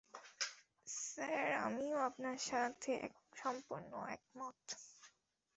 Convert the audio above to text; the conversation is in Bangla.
স্যার, আমিও আপনার সাথে সম্পূর্ণ একমত।